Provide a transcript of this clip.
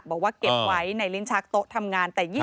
บอกว่าเก็บไว้ในลิ้นชักโต๊ะทำงาน